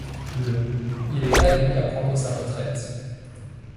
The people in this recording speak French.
Le il est admis à prendre sa retraite.